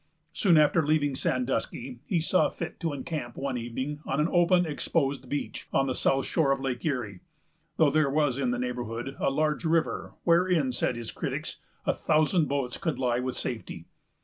Soon after leaving Sandusky, he saw fit to encamp one evening on an open, exposed beach, on the south shore of Lake Erie, though there was in the neighborhood a large river, "wherein," say his critics, "a thousand boats could lie with safety."